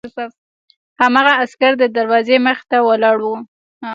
هماغه عسکر د دروازې مخې ته ولاړ و